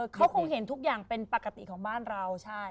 เขาคงเห็นทุกอย่างเป็นปกติของบ้านเราใช่